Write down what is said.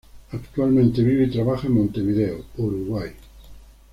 Actualmente vive y trabaja en Montevideo, Uruguay.